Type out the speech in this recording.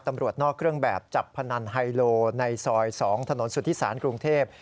ตำรวจนอกเครื่องแบบจับพนันไฮโลในซอย๒ถนนสุธิศาลกรุงเทพ